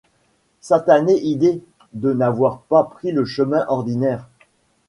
Satanée idée, de n’avoir pas pris le chemin ordinaire!